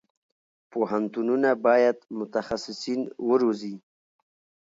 پوهنتونونه باید متخصصین وروزي.